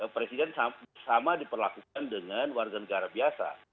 presiden sama diperlakukan dengan warga negara biasa